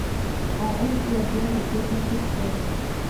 En outre leurs biens étaient confisqués.